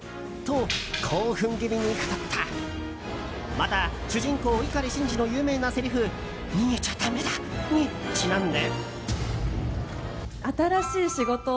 また、主人公・碇シンジの有名なせりふ「逃げちゃだめだ」にちなんで。